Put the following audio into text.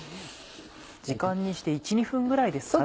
時間にして１２分ぐらいですかね。